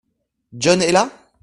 John est là ?